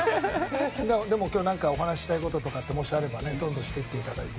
今日、何かお話ししたいことがもしあればどんどんしていただいて。